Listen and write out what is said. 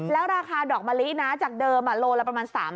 แล้วราคาดอกมะลินะจากเดิมโลละประมาณ๓๐๐